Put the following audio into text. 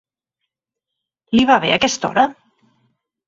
Li va bé aquesta hora?